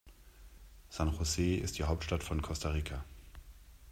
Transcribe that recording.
San José ist die Hauptstadt von Costa Rica.